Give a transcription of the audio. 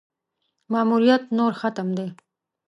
ماموریت نور ختم دی.